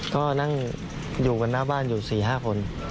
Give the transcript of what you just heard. ก็นั่งอยู่กันหน้าบ้านอยู่๔๕คน